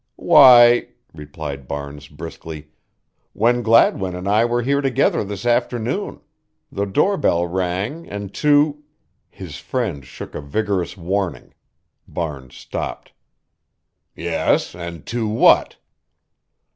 "Why," replied Barnes briskly, "when Gladwin and I were here together this afternoon. The doorbell rang and two" His friend shook a vigorous warning. Barnes stopped. "Yes, and two what?"